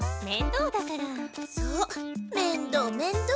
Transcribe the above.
そうめんどうめんどう。